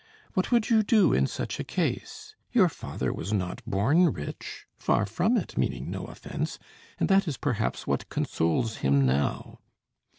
What would you do in such a case? Your father was not born rich, far from it, meaning no offence and that is perhaps what consoles him now.